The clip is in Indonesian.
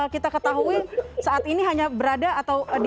kita ketahui saat ini hanya berada atau di